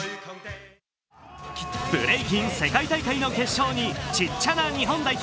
ブレイキン世界大会の決勝にちっちゃな日本代表